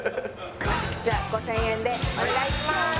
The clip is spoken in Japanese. じゃあ５０００円でお願いします。